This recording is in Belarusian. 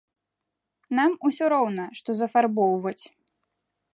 Нам усё роўна, што зафарбоўваць.